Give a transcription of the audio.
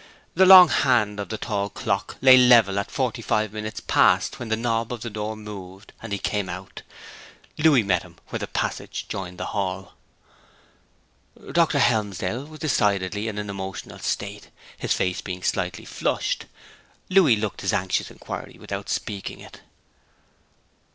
The long hand of the hall clock lay level at forty five minutes past when the knob of the door moved, and he came out. Louis met him where the passage joined the hall. Dr. Helmsdale was decidedly in an emotional state, his face being slightly flushed. Louis looked his anxious inquiry without speaking it.